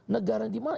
negara di mana